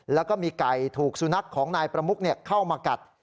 แล้วก็มีไก่ถูกสุนัขของนายประมุกเข้ามากัด